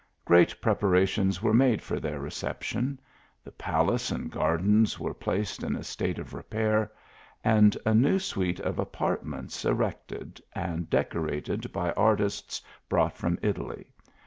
Great preparations were made for their recep tion. The palace and gardens were placed in a state of repair ; and a new suite of apartments erected, and decorated by artists brought from Italy.